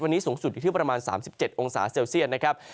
วันนี้สูงสุดอยู่ที่ประมาณ๓๗องศาเซลเซียตนะครับ